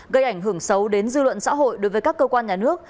gây ảnh hưởng xấu đến dư luận xã hội đối với các cơ quan nhà nước